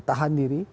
kita tahan sendiri